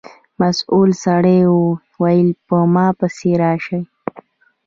مسؤل سړي و ویل په ما پسې راشئ.